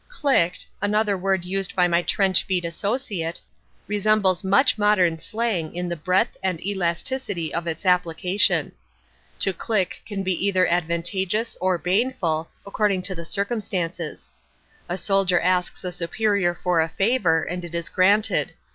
"Clicked," another word used by my trench feet associate, resembles much modern slang in the breadth and elasticity of its application. To click can be either advantageous or baneful, according to the circumstances. A soldier asks a superior for a favour, and it is granted.